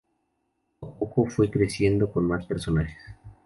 Poco a poco fue creciendo con más personajes.